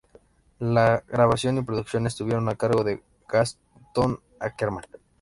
La grabación y producción estuvieron a cargo de Gastón Ackermann.